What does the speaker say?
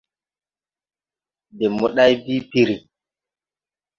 De mboday bii piri.